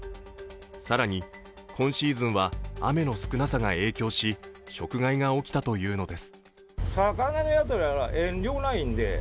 更に、今シーズンは雨の少なさが影響し食害が起きたというのです。